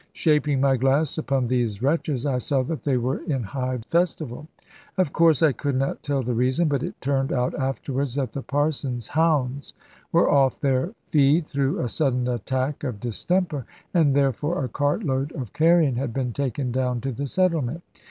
Shaping my glass upon these wretches, I saw that they were in high festival. Of course I could not tell the reason, but it turned out afterwards that the Parson's hounds were off their feed through a sudden attack of distemper, and therefore a cartload of carrion had been taken down to the settlement.